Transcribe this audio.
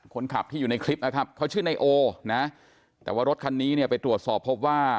คนขับที่อยู่ในคลิปนะครับเขาชื่อนายโอนะแต่ว่ารถคันนี้เนี่ยไปตรวจสอบพบว่า